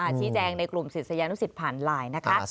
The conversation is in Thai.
ชี้แจงในกลุ่มศิษยานุสิตผ่านไลน์นะคะ